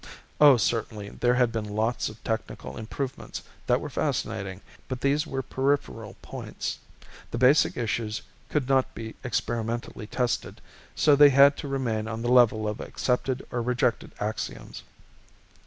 Oh certainly, there had been lots of technical improvements that were fascinating but these were peripheral points; the basic issues could not be experimentally tested so they had to remain on the level of accepted or rejected axioms.